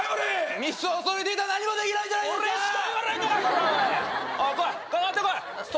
ミスを恐れてたら何もできないじゃないですか！